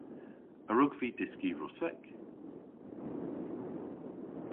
A wrug vy dyski Russek?